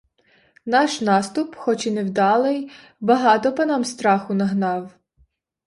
Наш наступ, хоч і невдалий, багато панам страху нагнав.